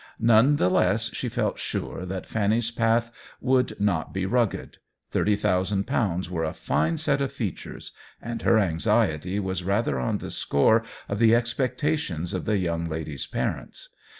l6 THE WHEEL OF TIME None the less she felt sure that Fanny's path would not be rugged ; thirty thousand pounds were a fine set of features, and her anxiety was rather on the score of the ex pectations of the young lady's parents.